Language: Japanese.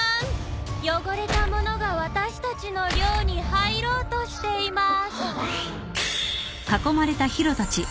汚れた者が私たちの寮に入ろうとしています。